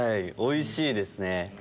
おいしいですね。